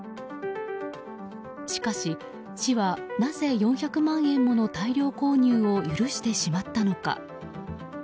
しかし、市はなぜ４００万円もの大量購入を許してしまったのか。